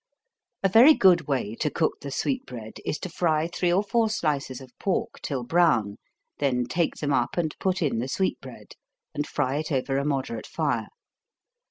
_ A very good way to cook the sweet bread, is to fry three or four slices of pork till brown, then take them up and put in the sweet bread, and fry it over a moderate fire.